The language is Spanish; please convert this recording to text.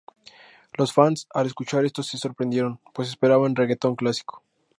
Los fans, al escuchar esto se sorprendieron, pues esperaban reguetón clásico.